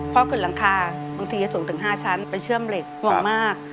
พอขึ้นหลังคาบางทีจะสูงถึง๕ชั้นไปเชื่อมเหล็กห่วงมาก